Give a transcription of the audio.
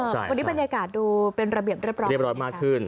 วันนี้บรรยากาศดูเป็นระเบียงเรียบร้อยมากขึ้น